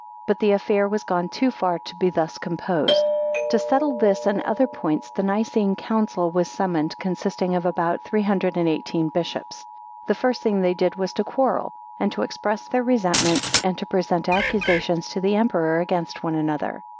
But the affair was gone too far to be thus composed. To settle this and other points, the Nicene Council was summoned, consisting of about 318 bishops. The first thing they did was to quarrel, and to express their resentments, and to present accusations to the Emperor against one another.